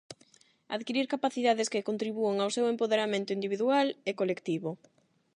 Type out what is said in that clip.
Adquirir capacidades que contribúan ao seu empoderamento individual e colectivo.